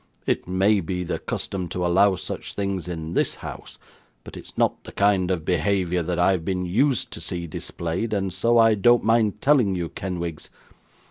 It may be the custom to allow such things in this house, but it's not the kind of behaviour that I've been used to see displayed, and so I don't mind telling you, Kenwigs.